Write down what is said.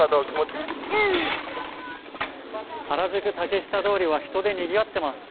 原宿・竹下通りは人でにぎわっています。